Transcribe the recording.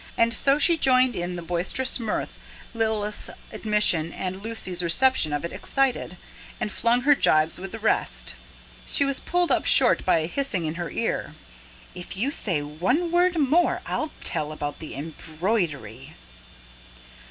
And so she joined in the boisterous mirth Lilith's admission and Lucy's reception of it excited, and flung her gibes with the rest. She was pulled up short by a hissing in her ear. "If you say one word more, I'll tell about the embroidery!"